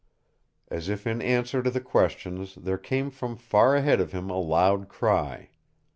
As if in answer to the questions there came from far ahead of him a loud cry.